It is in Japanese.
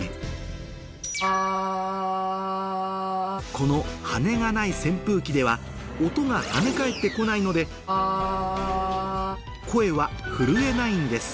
この羽根がない扇風機では音が跳ね返ってこないので・あ・声は震えないんです